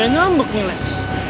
ada nyambuk nih lex